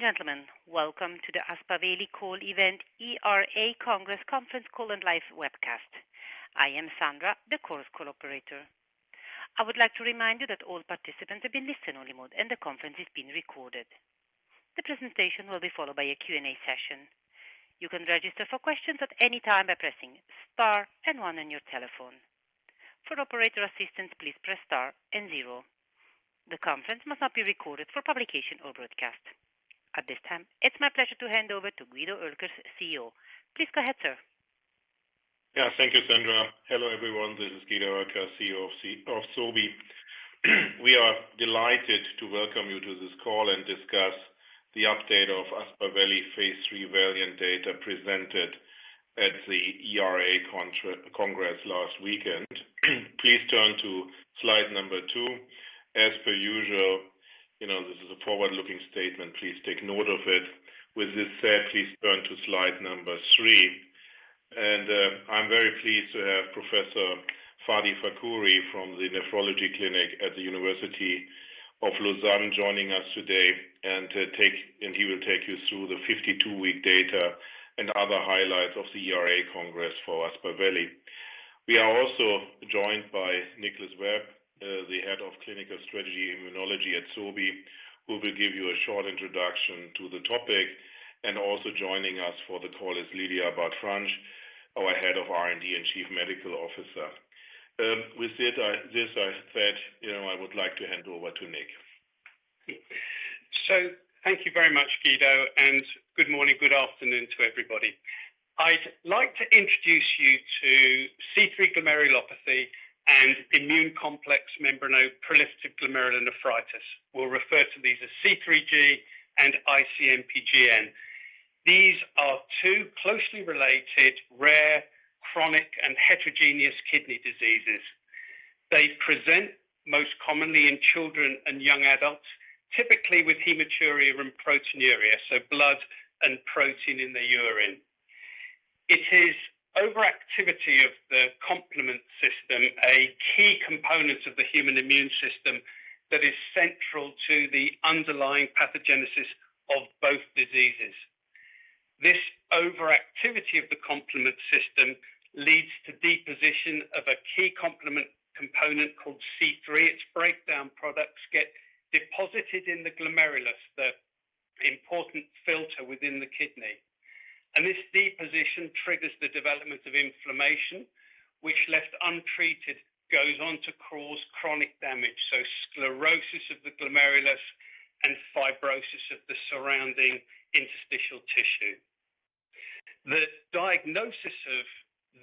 Ladies and gentlemen, welcome to the Aspaveli Call Event, ERA Congress Conference Call and Live Webcast. I am Sandra, the course co-operator. I would like to remind you that all participants have been listened to only mode, and the conference is being recorded. The presentation will be followed by a Q and A session. You can register for questions at any time by pressing star and one on your telephone. For operator assistance, please press star and zero. The conference must not be recorded for publication or broadcast. At this time, it's my pleasure to hand over to Guido Oelkers, CEO. Please go ahead, sir. Yeah, thank you, Sandra. Hello everyone, this is Guido Oelkers, CEO of Sobi. We are delighted to welcome you to this call and discuss the update of Aspaveli phase III VALIANT data presented at the ERA Congress last weekend. Please turn to slide number two. As per usual, you know, this is a forward-looking statement, please take note of it. With this said, please turn to slide number three. I am very pleased to have Professor Fadi Fakhouri from the Nephrology Clinic at the University of Lausanne joining us today, and he will take you through the 52-week data and other highlights of the ERA Congress for Aspaveli. We are also joined by Nicholas Webb, the Head of Clinical Strategy Immunology at Sobi, who will give you a short introduction to the topic. Also joining us for the call is Lydia Abad-Franch, our Head of R&D and Chief Medical Officer. With this, I said, you know, I would like to hand over to Nick. Thank you very much, Guido, and good morning, good afternoon to everybody. I'd like to introduce you to C3 glomerulopathy and immune complex membranoproliferative glomerulonephritis. We'll refer to these as C3G and ICMPGN. These are two closely related rare, chronic, and heterogeneous kidney diseases. They present most commonly in children and young adults, typically with hematuria and proteinuria, so blood and protein in the urine. It is overactivity of the complement system, a key component of the human immune system that is central to the underlying pathogenesis of both diseases. This overactivity of the complement system leads to deposition of a key complement component called C3. Its breakdown products get deposited in the glomerulus, the important filter within the kidney. This deposition triggers the development of inflammation, which, left untreated, goes on to cause chronic damage, so sclerosis of the glomerulus and fibrosis of the surrounding interstitial tissue. The diagnosis of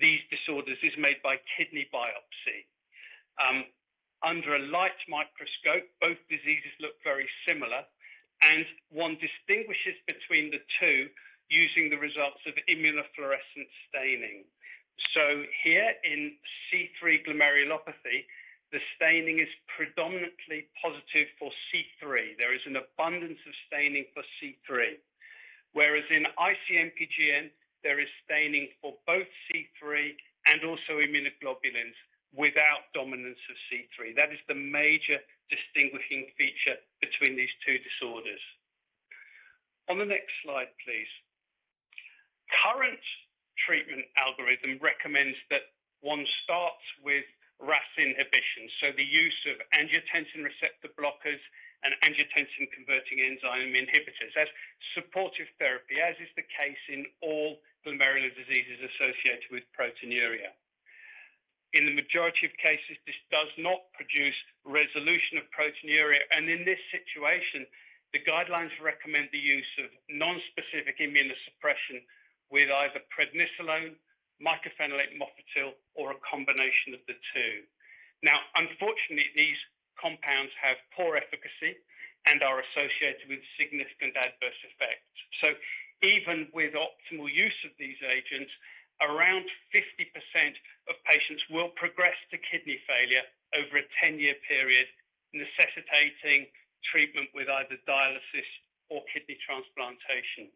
these disorders is made by kidney biopsy. Under a light microscope, both diseases look very similar, and one distinguishes between the two using the results of immunofluorescence staining. Here in C3 glomerulopathy, the staining is predominantly positive for C3. There is an abundance of staining for C3, whereas in ICMPGN, there is staining for both C3 and also immunoglobulins without dominance of C3. That is the major distinguishing feature between these two disorders. On the next slide, please. Current treatment algorithm recommends that one starts with RAAS inhibition, the use of angiotensin receptor blockers and angiotensin converting enzyme inhibitors as supportive therapy, as is the case in all glomerular diseases associated with proteinuria. In the majority of cases, this does not produce resolution of proteinuria, and in this situation, the guidelines recommend the use of nonspecific immunosuppression with either prednisolone, mycophenolate mofetil, or a combination of the two. Now, unfortunately, these compounds have poor efficacy and are associated with significant adverse effects. Even with optimal use of these agents, around 50% of patients will progress to kidney failure over a 10-year period, necessitating treatment with either dialysis or kidney transplantation.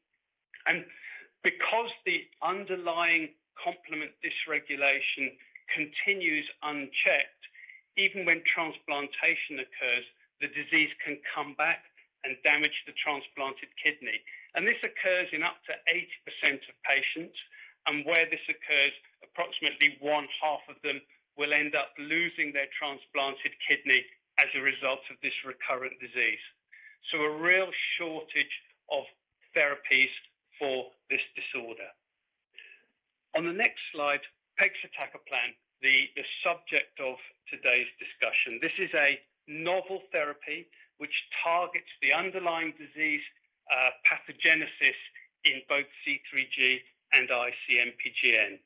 Because the underlying complement dysregulation continues unchecked, even when transplantation occurs, the disease can come back and damage the transplanted kidney. This occurs in up to 80% of patients, and where this occurs, approximately one half of them will end up losing their transplanted kidney as a result of this recurrent disease. A real shortage of therapies for this disorder. On the next slide, pegcetacoplan, the subject of today's discussion. This is a novel therapy which targets the underlying disease pathogenesis in both C3G and ICMPGN.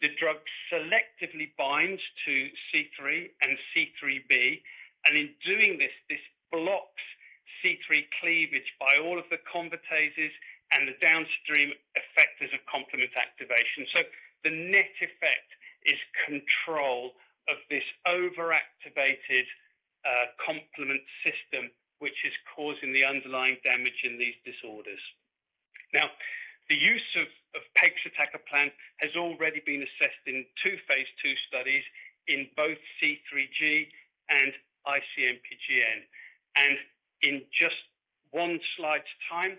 The drug selectively binds to C3 and C3b, and in doing this, this blocks C3 cleavage by all of the convertases and the downstream effects of complement activation. The net effect is control of this overactivated complement system, which is causing the underlying damage in these disorders. Now, the use of pegcetacoplan has already been assessed in two phase two studies in both C3G and ICMPGN. In just one slide's time,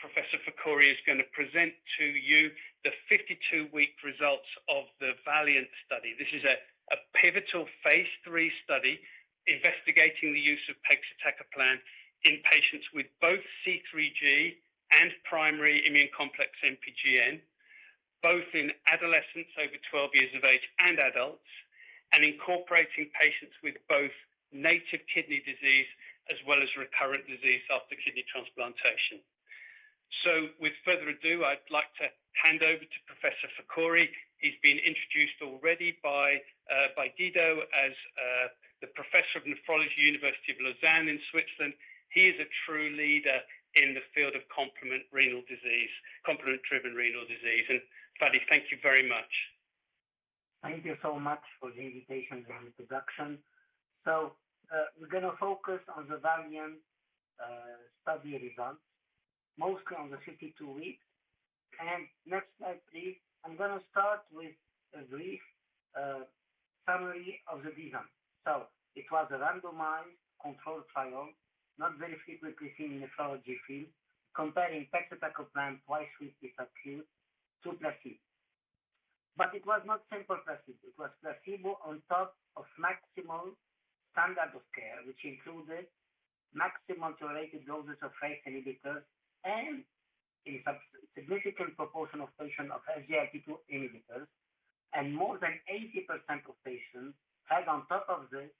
Professor Fadi Fakhouri is going to present to you the 52-week results of the VALIANT study. This is a pivotal phase three study investigating the use of pegcetacoplan in patients with both C3G and primary immune complex MPGN, both in adolescents over 12 years of age and adults, and incorporating patients with both native kidney disease as well as recurrent disease after kidney transplantation. With further ado, I'd like to hand over to Professor Fakhouri. He's been introduced already by Guido as the Professor of Nephrology, University of Lausanne in Switzerland. He is a true leader in the field of complement renal disease, complement-driven renal disease. Fadi, thank you very much. Thank you so much for the invitation and introduction. We're going to focus on the VALIANT study results, mostly on the 52 weeks. Next slide, please. I'm going to start with a brief summary of the design. It was a randomized controlled trial, not very frequently seen in the nephrology field, comparing pegcetacoplan twice weekly to placebo. It was not simple placebo. It was placebo on top of maximal standard of care, which included maximal tolerated doses of ACE inhibitors and a significant proportion of patients of SGLT2 inhibitors, and more than 80% of patients had, on top of the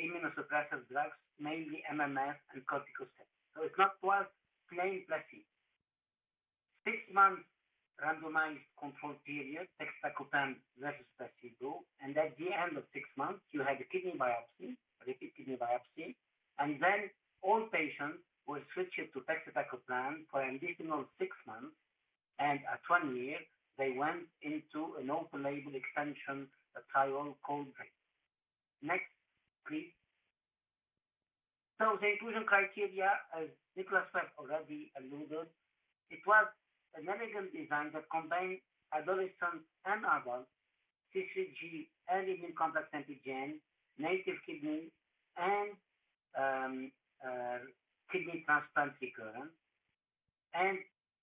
immunosuppressive drugs, mainly MMF and corticosteroids. It's not just plain placebo. Six months randomized control period, pegcetacoplan versus placebo, and at the end of six months, you had a kidney biopsy, repeat kidney biopsy, and then all patients were switched to pegcetacoplan for an additional six months, and at one year, they went into an open label extension trial called VALE. Next, please. The inclusion criteria, as Nicholas Webb already alluded, it was an elegant design that combined adolescents and adults, C3G, early immune complex MPGN, native kidney, and kidney transplant recurrence.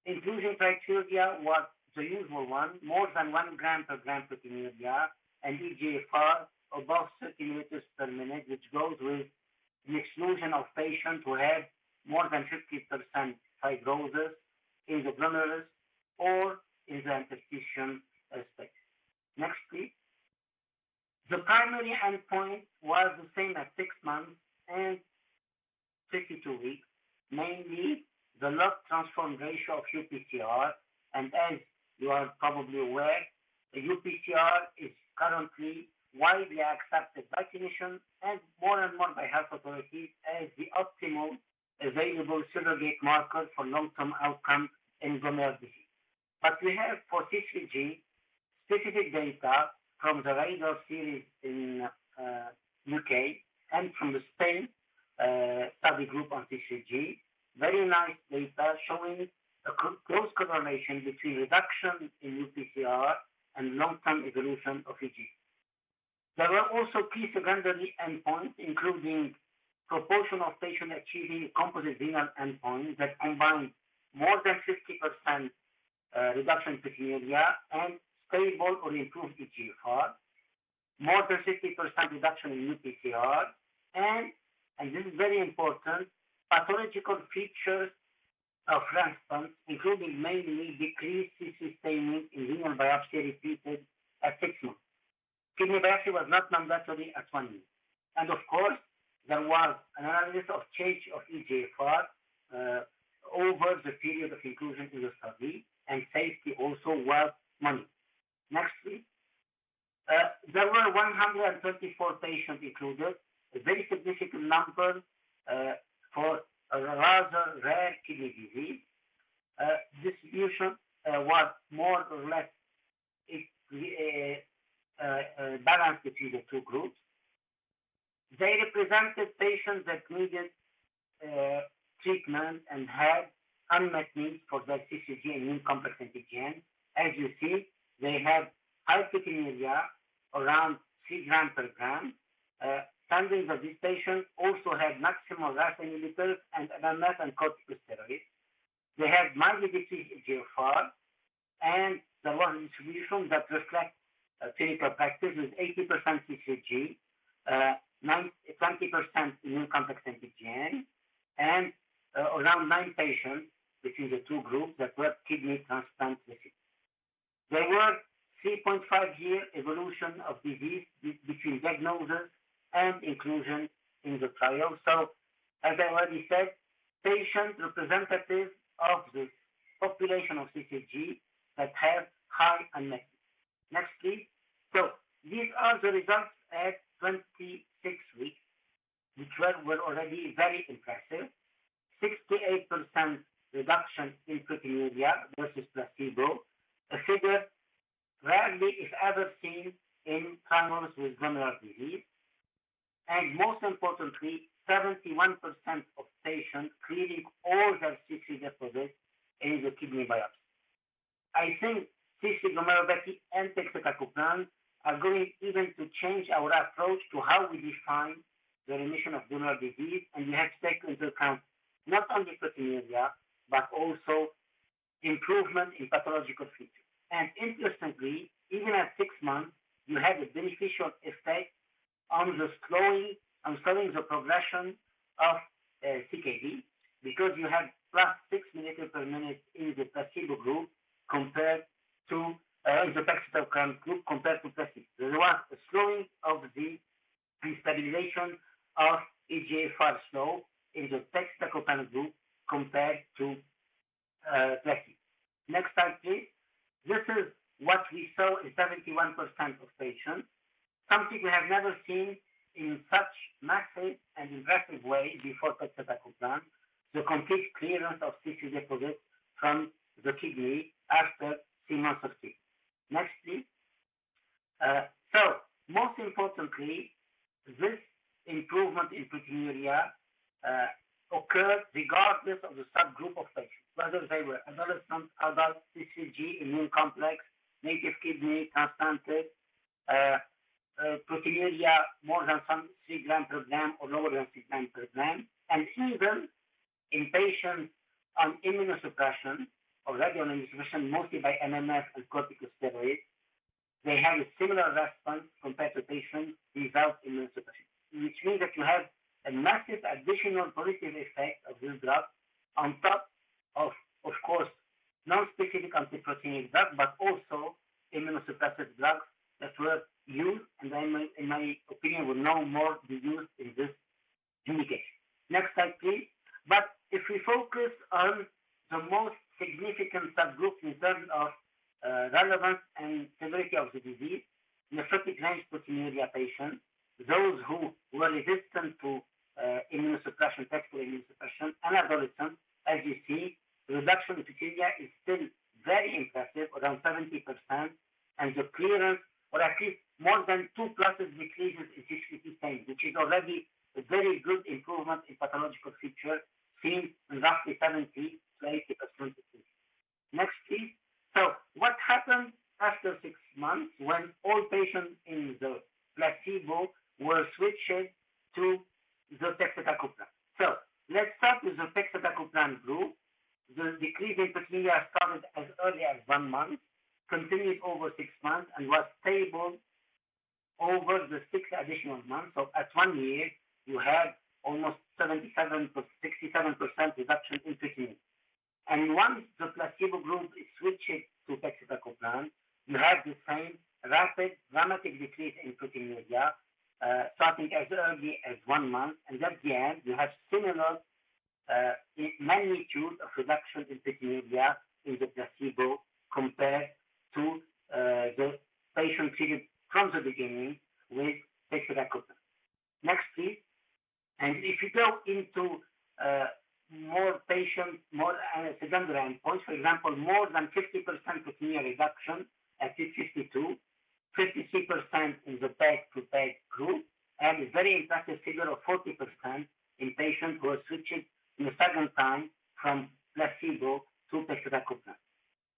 Inclusion criteria was the usual one, more than 1 g per gr proteinuria and eGFR above 30 mL per minute, which goes with the exclusion of patients who had more than 50% fibrosis in the glomerulus or in the interstitial aspect. Next, please. The primary endpoint was the same at six months and 52 weeks, mainly the log transform ratio of UPCR, and as you are probably aware, UPCR is currently widely accepted by clinicians and more and more by health authorities as the optimal available surrogate marker for long-term outcome in glomerular disease. We have for C3G specific data from the RAIDO series in the U.K. and from the Spain study group on C3G, very nice data showing a close correlation between reduction in UPCR and long-term evolution of eGFR. There were also key secondary endpoints, including proportion of patients achieving composite renal endpoint that combined more than 50% reduction in proteinuria and stable or improved eGFR, more than 50% reduction in UPCR, and, and this is very important, pathological features of transplant, including mainly decreased C3c staining in renal biopsy repeated at six months. Kidney biopsy was not mandatory at one year. There was an analysis of change of eGFR over the period of inclusion in the study, and safety also was monitored. Next, please. There were 134 patients included, a very significant number for a rather rare kidney disease. Distribution was more or less balanced between the two groups. They represented patients that needed treatment and had unmet needs for their C3G and immune complex MPGN. As you see, they have high proteinuria, around 3 g per g. Standards of these patients also had maximal RAAS inhibitors and MMF and corticosteroids. They had mildly decreased eGFR, and there was a distribution that reflects clinical practice with 80% C3G, 20% immune complex MPGN, and around nine patients between the two groups that were kidney transplant receivers. There were 3.5-year evolution of disease between diagnosis and inclusion in the trial. As I already said, patients representative of the population of C3G that have high unmet needs. Next, please. These are the results at 26 weeks, which were already very impressive. 68% reduction in proteinuria versus placebo, a figure rarely, if ever, seen in trials with glomerular disease. Most importantly, 71% of patients clearing all their C3 deposits in the kidney biopsy. I think C3 glomerulopathy and pegcetacoplan are going even to change our approach to how we define the remission of glomerular disease, and we have to take into account not only proteinuria, but also improvement in pathological features. Interestingly, even at six months, you have a beneficial effect on the slowing of progression of CKD because you have plus 6 mL per minute in the pegcetacoplan group compared to placebo. There was a slowing of the destabilization of eGFR slope in the pegcetacoplan group compared to placebo. Next slide, please. This is what we saw in 71% of patients, something we have never seen reduction in proteinuria is still very impressive, around 70%, and the clearance, or at least more than 2+, decreases in C3c staining, which is already a very good improvement in pathological feature seen in roughly 70%-80% of patients. Next, please. What happened after six months when all patients in the placebo were switched to the pegcetacoplan? Let's start with the pegcetacoplan group. The decrease in proteinuria started as early as one month, continued over six months, and was stable over the six additional months. At one year, you had almost 77%-67% reduction in proteinuria. Once the placebo group is switched to pegcetacoplan, you have the same rapid, dramatic decrease in proteinuria, starting as early as one month, and at the end, you have similar magnitude of reduction in proteinuria in the placebo compared to the patient treated from the beginning with pegcetacoplan. Next, please. If you go into more patients, more secondary endpoints, for example, more than 50% proteinuria reduction at week 52, 53% in the peg to peg group, and a very impressive figure of 40% in patients who were switched in the second time from placebo to pegcetacoplan.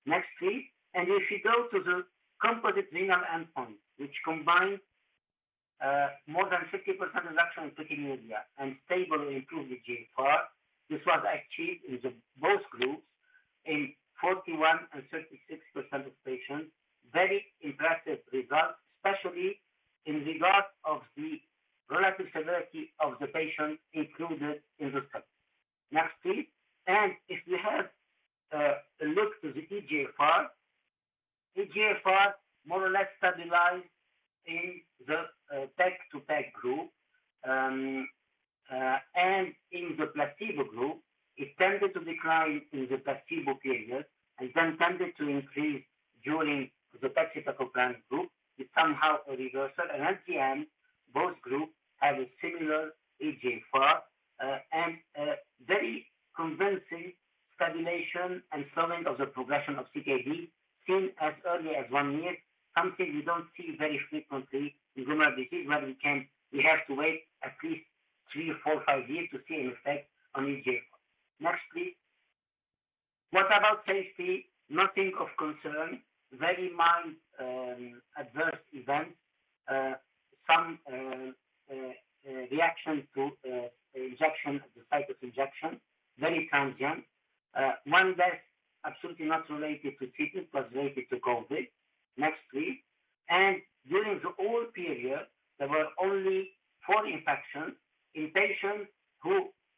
Next, please. If you go to the composite renal endpoint, which combined more than 50% reduction in proteinuria and stable or improved eGFR, this was achieved in both groups in 41% and 36%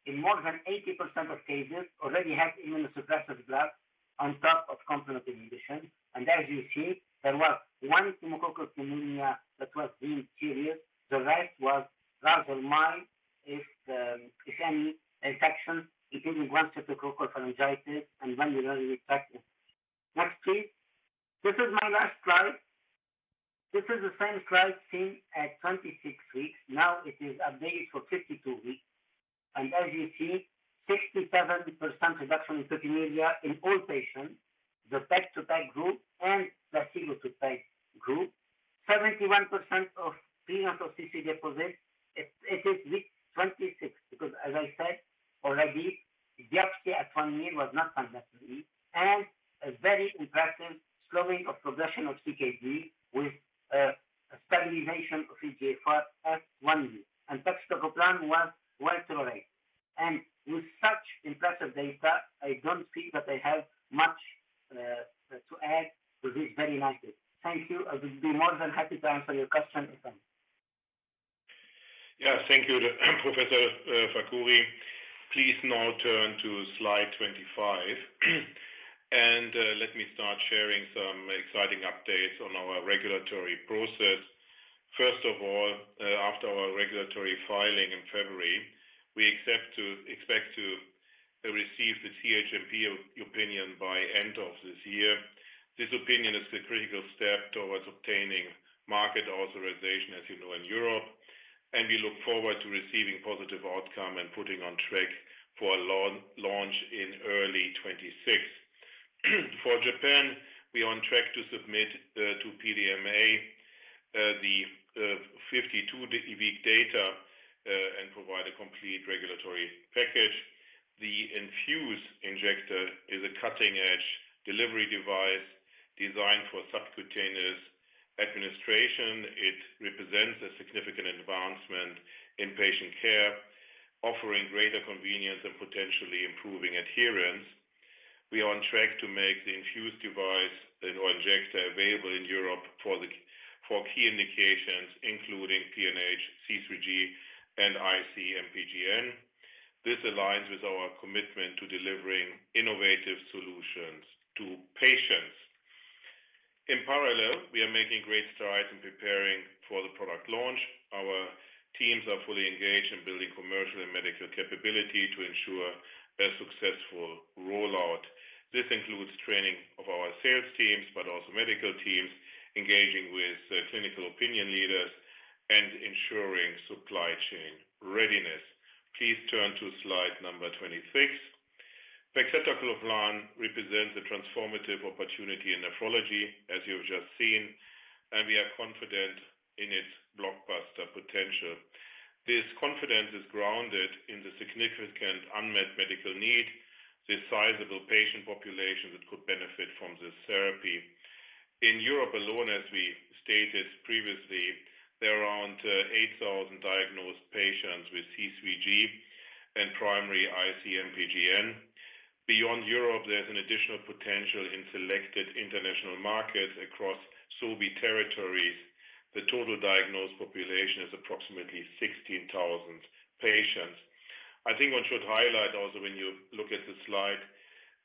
in more than 80% of cases, already had immunosuppressive drugs on top of complement inhibition. As you see, there was one pneumococcal pneumonia that was deemed serious. The rest was rather mild, if any, infections, including one streptococcal pharyngitis and one urinary tract infection. Next, please. This is my last slide. This is the same slide seen at 26 weeks. Now it is updated for 52 weeks. As you see, 67% reduction in proteinuria in all patients, the peg to peg group and placebo to peg group, 71% of clearance of C3 deposits. It is 26 because, as I said already, biopsy at one year was not mandatory, and a very impressive slowing of progression of CKD with stabilization of eGFR at one year. Pegcetacoplan was well tolerated. With such impressive data, I do not feel that I have much to add to this very nice data. Thank you. I would be more than happy to answer your questions if I may. Yeah, thank you, Professor Fakhouri. Please now turn to slide 25, and let me start sharing some exciting updates on our regulatory process. First of all, after our regulatory filing in February, we expect to receive the CHMP opinion by end of this year. This opinion is the critical step towards obtaining market authorization, as you know, in Europe, and we look forward to receiving positive outcome and putting on track for a launch in early 2026. For Japan, we are on track to submit to PMDA the 52-week data and provide a complete regulatory package. The enFuse injector is a cutting-edge delivery device designed for subcutaneous administration. It represents a significant advancement in patient care, offering greater convenience and potentially improving adherence. We are on track to make the enFuse device or injector available in Europe for key indications, including PNH, C3G, and ICMPGN. This aligns with our commitment to delivering innovative solutions to patients. In parallel, we are making great strides in preparing for the product launch. Our teams are fully engaged in building commercial and medical capability to ensure a successful rollout. This includes training of our sales teams, but also medical teams, engaging with clinical opinion leaders, and ensuring supply chain readiness. Please turn to slide number 26. Pegcetacoplan represents a transformative opportunity in nephrology, as you've just seen, and we are confident in its blockbuster potential. This confidence is grounded in the significant unmet medical need, the sizable patient population that could benefit from this therapy. In Europe alone, as we stated previously, there are around 8,000 diagnosed patients with C3G and primary ICMPGN. Beyond Europe, there's an additional potential in selected international markets across Sobi territories. The total diagnosed population is approximately 16,000 patients. I think one should highlight also, when you look at the slide,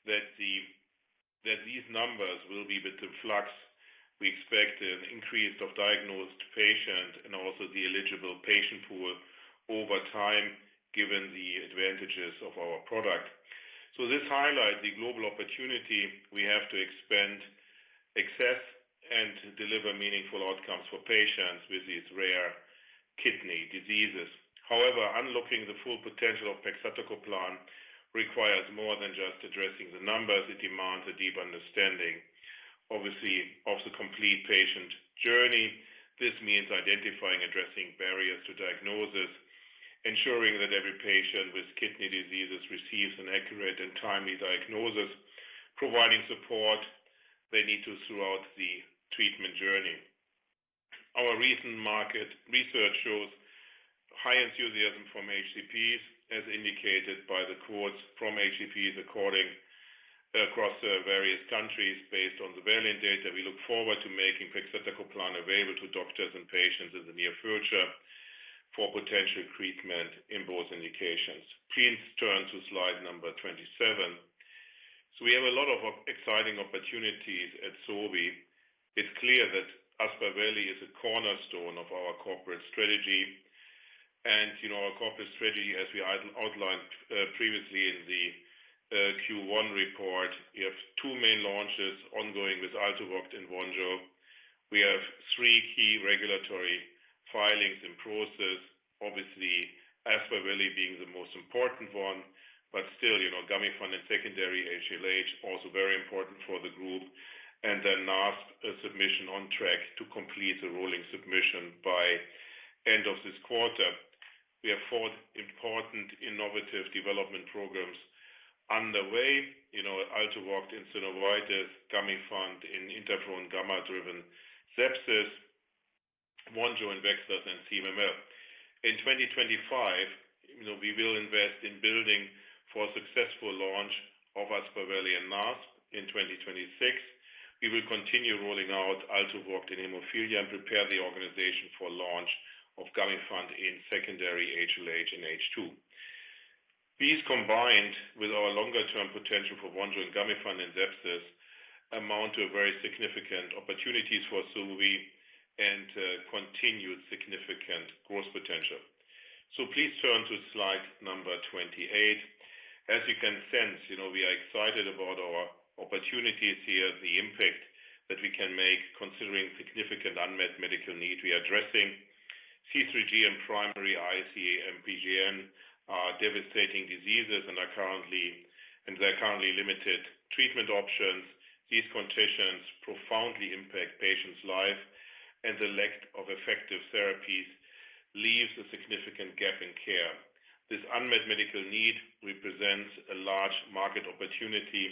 that these numbers will be with the flux we expected, an increase of diagnosed patients and also the eligible patient pool over time, given the advantages of our product. This highlights the global opportunity we have to expand, access, and deliver meaningful outcomes for patients with these rare kidney diseases. However, unlocking the full potential of pegcetacoplan requires more than just addressing the numbers. It demands a deep understanding, obviously, of the complete patient journey. This means identifying, addressing barriers to diagnosis, ensuring that every patient with kidney diseases receives an accurate and timely diagnosis, providing support they need throughout the treatment journey. Our recent market research shows high enthusiasm from HCPs, as indicated by the quotes from HCPs across various countries based on the VALIANT data. We look forward to making pegcetacoplan available to doctors and patients in the near future for potential treatment in both indications. Please turn to slide number 27. We have a lot of exciting opportunities at Sobi. It is clear that Aspaveli is a cornerstone of our corporate strategy. Our corporate strategy, as we outlined previously in the Q1 report, has two main launches ongoing with Altuvoct and Vonjo. We have three key regulatory filings in process, obviously Aspaveli being the most important one, but still, Gamifant and secondary HLH, also very important for the group. The NASP submission is on track to complete the rolling submission by end of this quarter. We have four important innovative development programs underway: Altuvoct in synovitis, Gamifant in interferon gamma-driven sepsis, Vonjo in VEXAS and CMML. In 2025, we will invest in building for a successful launch of Aspaveli and NASP in 2026. We will continue rolling out Altuvoct in hemophilia and prepare the organization for launch of Gamifant in secondary HLH and H2. These, combined with our longer-term potential for Vonjo and Gamifant in sepsis, amount to very significant opportunities for Sobi and continued significant growth potential. Please turn to slide number 28. As you can sense, we are excited about our opportunities here, the impact that we can make considering significant unmet medical need. We are addressing C3G and primary ICMPGN, which are devastating diseases, and there are currently limited treatment options. These conditions profoundly impact patients' lives, and the lack of effective therapies leaves a significant gap in care. This unmet medical need represents a large market opportunity,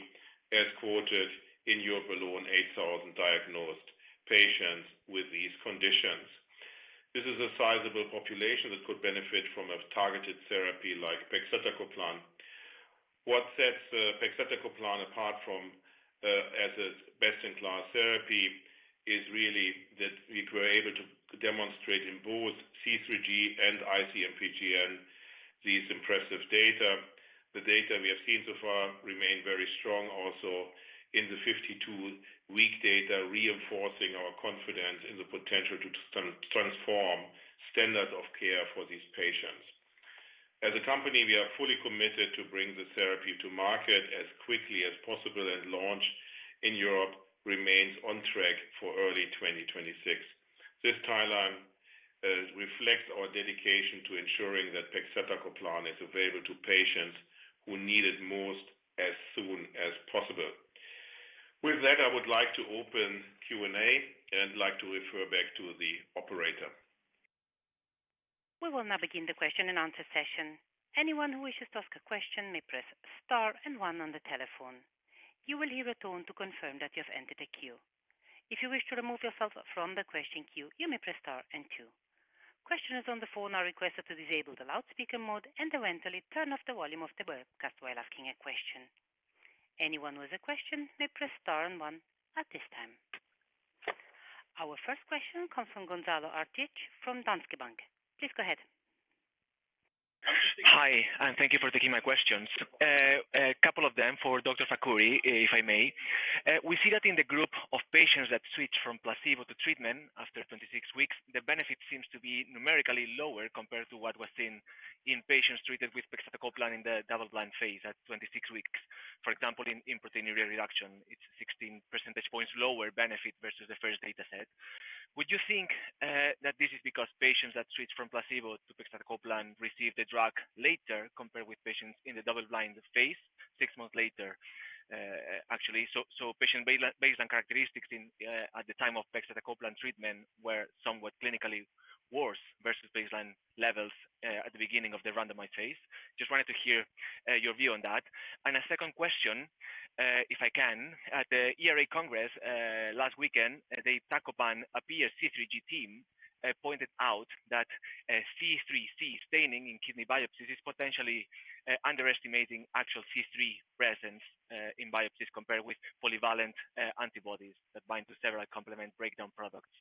as quoted in Europe alone, 8,000 diagnosed patients with these conditions. This is a sizable population that could benefit from a targeted therapy like pegcetacoplan. What sets pegcetacoplan apart as a best-in-class therapy is really that we were able to demonstrate in both C3G and ICMPGN these impressive data. The data we have seen so far remain very strong, also in the 52-week data, reinforcing our confidence in the potential to transform standards of care for these patients. As a company, we are fully committed to bringing the therapy to market as quickly as possible, and launch in Europe remains on track for early 2026. This timeline reflects our dedication to ensuring that pegcetacoplan is available to patients who need it most as soon as possible. With that, I would like to open Q and A and like to refer back to the operator. We will now begin the question and answer session. Anyone who wishes to ask a question may press star and one on the telephone. You will hear a tone to confirm that you have entered a queue. If you wish to remove yourself from the question queue, you may press star and two. Questioners on the phone are requested to disable the loudspeaker mode and eventually turn off the volume of the webcast while asking a question. Anyone with a question may press star and one at this time. Our first question comes from Gonzalo Artiach from Danske Bank. Please go ahead. Hi, and thank you for taking my questions. A couple of them for Dr. Fakhouri, if I may. We see that in the group of patients that switch from placebo to treatment after 26 weeks, the benefit seems to be numerically lower compared to what was seen in patients treated with pegcetacoplan in the double-blind phase at 26 weeks. For example, in proteinuria reduction, it's 16 percentage points lower benefit versus the first dataset. Would you think that this is because patients that switch from placebo to pegcetacoplan receive the drug later compared with patients in the double-blind phase six months later, actually? Patient baseline characteristics at the time of pegcetacoplan treatment were somewhat clinically worse versus baseline levels at the beginning of the randomized phase. Just wanted to hear your view on that. A second question, if I can. At the ERA Congress last weekend, the Iptacopan Peer C3G team pointed out that C3c staining in kidney biopsies is potentially underestimating actual C3 presence in biopsies compared with polyvalent antibodies that bind to several complement breakdown products.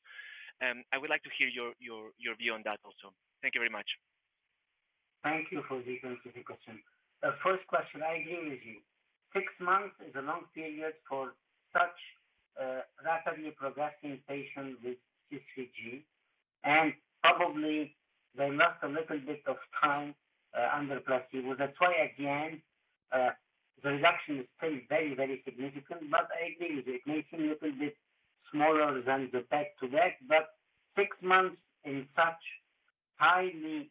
I would like to hear your view on that also. Thank you very much. Thank you for this specific question. First question, I agree with you. Six months is a long period for such rapidly progressing patients with C3G, and probably they lost a little bit of time under placebo. That's why again, the reduction is still very, very significant, but I agree with you. It may seem a little bit smaller than the back-to-back, but six months in such highly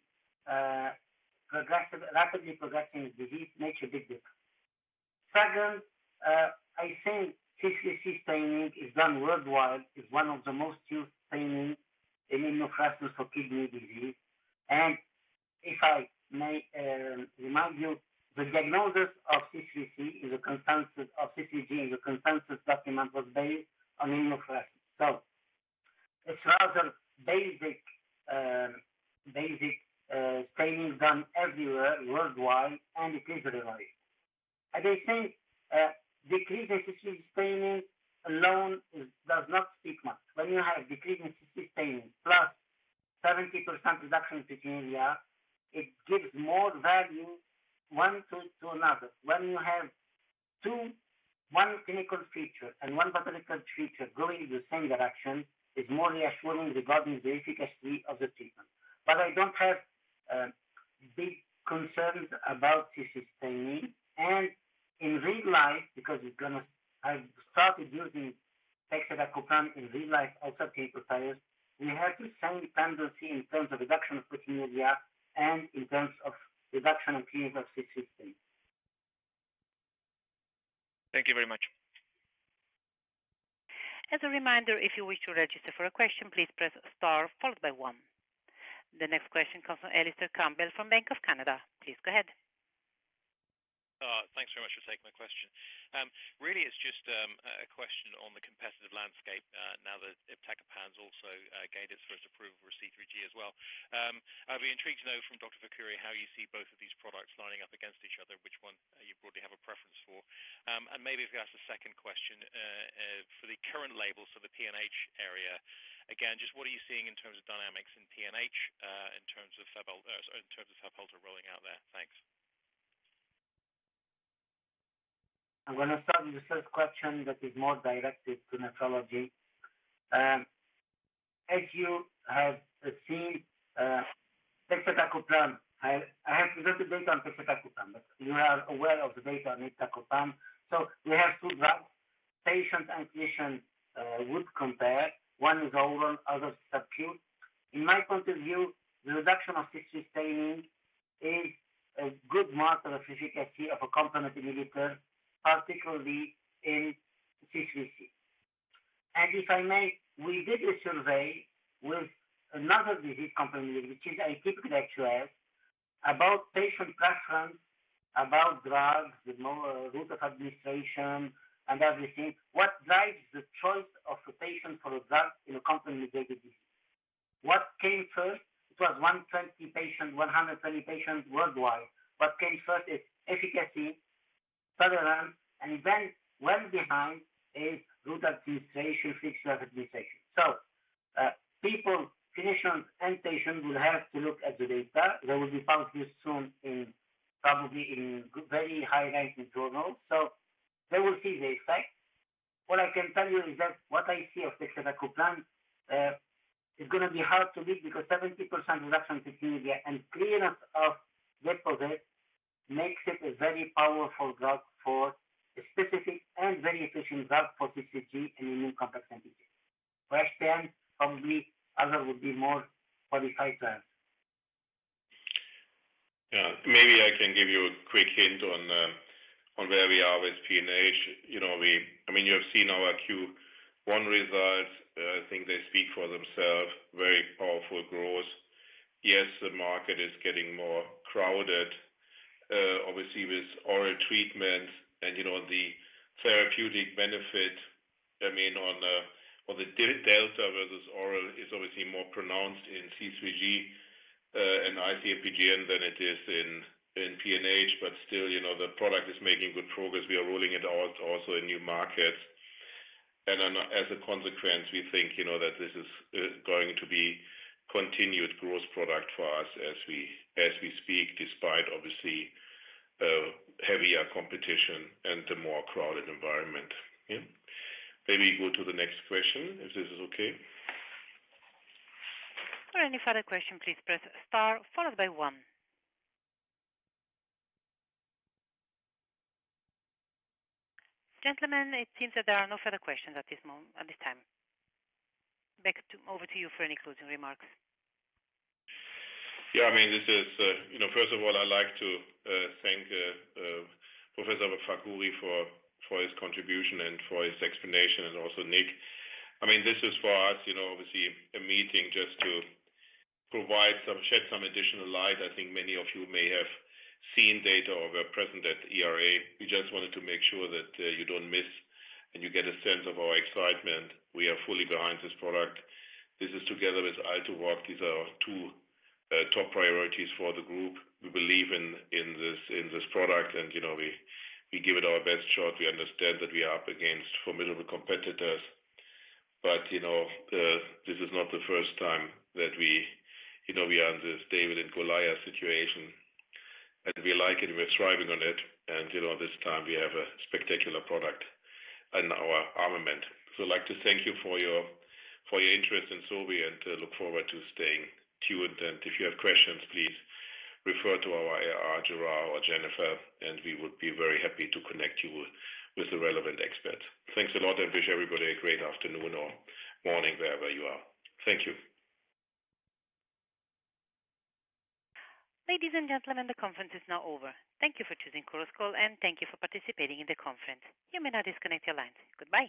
rapidly progressing disease makes a big difference. Second, I think C3c staining is done worldwide. It's one of the most used staining in immunofluorescence for kidney disease. If I may remind you, the diagnosis of C3G in the consensus document was based on immunofluorescence. It is rather basic staining done everywhere worldwide, and it is reliable. I think decreasing C3c staining alone does not speak much. When you have decreasing C3c staining plus 70% reduction in proteinuria, it gives more value one to another. When you have one clinical feature and one pathological feature going in the same direction, it is more reassuring regarding the efficacy of the treatment. I do not have big concerns about C3c staining. In real life, because I have started using pegcetacoplan in real life and also clinical trials, we have the same tendency in terms of reduction of proteinuria and in terms of reduction of clinical C3c staining. Thank you very much. As a reminder, if you wish to register for a question, please press star followed by one. The next question comes from Alistair Campbell from Bank of Canada. Please go ahead. Thanks very much for taking my question. Really, it's just a question on the competitive landscape now that iptacopan has also gained its first approval for C3G as well. I'd be intrigued to know from Dr. Fakhouri how you see both of these products lining up against each other, which one you broadly have a preference for. Maybe if you ask the second question for the current labels for the PNH area, again, just what are you seeing in terms of dynamics in PNH in terms of subaltern rolling out there? Thanks. I'm going to start with the first question that is more directed to nephrology. As you have seen, pegcetacoplan, I have to get the data on pegcetacoplan, but you are aware of the data on pegcetacoplan. We have two drugs. Patient and clinician would compare. One is older, others subacute. In my point of view, the reduction of C3c staining is a good marker of efficacy of a complement inhibitor, particularly in C3G. If I may, we did a survey with another disease complement inhibitor, which is atypical HUS, about patient preference, about drugs, the route of administration, and everything. What drives the choice of a patient for a drug in a complement-related disease? What came first? It was 120 patients, 120 patients worldwide. What came first is efficacy, tolerance, and then what went behind is route of administration, fixed drug administration. Clinicians and patients will have to look at the data. They will be published soon, probably in very high-ranking journals. They will see the effect. What I can tell you is that what I see of pegcetacoplan is going to be hard to beat because 70% reduction in proteinuria and clearance of deposit makes it a very powerful drug for a specific and very efficient drug for C3G and immune-complex entities. Question, probably others would be more qualified to answer. Maybe I can give you a quick hint on where we are with PNH. I mean, you have seen our Q1 results. I think they speak for themselves. Very powerful growth. Yes, the market is getting more crowded, obviously, with oral treatments. The therapeutic benefit, I mean, on the delta versus oral is obviously more pronounced in C3G and ICMPGN than it is in PNH. Still, the product is making good progress. We are rolling it out also in new markets. As a consequence, we think that this is going to be a continued growth product for us as we speak, despite, obviously, heavier competition and the more crowded environment. Maybe go to the next question if this is okay. For any further question, please press star followed by one. Gentlemen, it seems that there are no further questions at this time. Back over to you for any closing remarks. Yeah, I mean, first of all, I'd like to thank Professor Fakhouri for his contribution and for his explanation, and also Nick. I mean, this is for us, obviously, a meeting just to shed some additional light. I think many of you may have seen data or were present at ERA. We just wanted to make sure that you do not miss and you get a sense of our excitement. We are fully behind this product. This is together with Altuvoct. These are two top priorities for the group. We believe in this product, and we give it our best shot. We understand that we are up against formidable competitors, but this is not the first time that we are in this David and Goliath situation. We like it. We're thriving on it. This time, we have a spectacular product in our armament. I would like to thank you for your interest in Sobi and look forward to staying tuned. If you have questions, please refer to our AR, Gerard, or Jennifer, and we would be very happy to connect you with the relevant experts. Thanks a lot, and wish everybody a great afternoon or morning wherever you are. Thank you. Ladies and gentlemen, the conference is now over. Thank you for choosing Coruscal, and thank you for participating in the conference. You may now disconnect your lines. Goodbye.